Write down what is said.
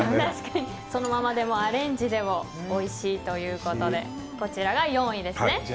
そのままでもアレンジでもおいしいということでこちらが４位ですね。